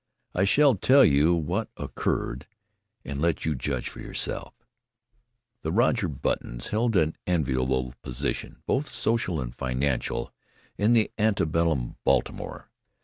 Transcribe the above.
I shall tell you what occurred, and let you judge for yourself. The Roger Buttons held an enviable position, both social and financial, in ante bellum Baltimore.